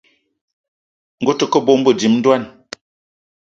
Ngue ute ke bónbô, dím ndwan